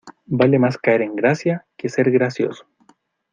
Vale más caer en gracia, que ser gracioso.